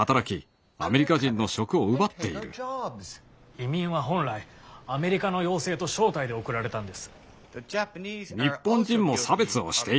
移民は本来アメリカの要請と招待で送られたんです。